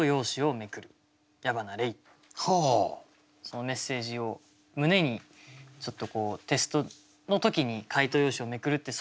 そのメッセージを胸にちょっとテストの時に解答用紙を捲るって